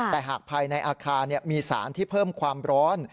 แต่หากภายในอาคารมีสารที่เพิ่มความร้อน